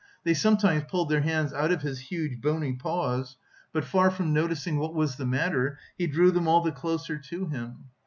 They sometimes pulled their hands out of his huge bony paws, but far from noticing what was the matter, he drew them all the closer to him.